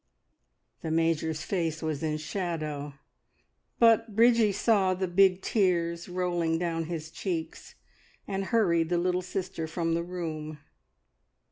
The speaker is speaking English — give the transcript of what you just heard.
The Major's face was in shadow, but Bridgie saw the big tears rolling down his cheeks, and hurried the little sister from the room.